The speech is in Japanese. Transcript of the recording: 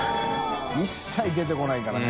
貔出てこないからね